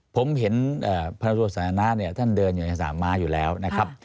ผมเห็นพนันตัวสนามมาเนี่ยท่านเดินอยู่ในสนามมาอยู่แล้วนะครับ